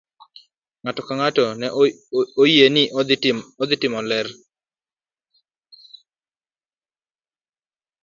Ng'ato ka ng'ato ne oyie ni ne idhi tim ler.